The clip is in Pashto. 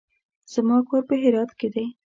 زما کور په هرات کې دی.